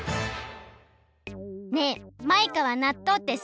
ねえマイカはなっとうってすき？